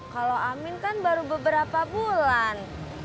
kalau amin kan baru beberapa bulan